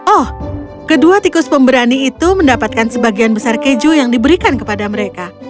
oh kedua tikus pemberani itu mendapatkan sebagian besar keju yang diberikan kepada mereka